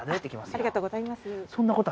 ありがとうございます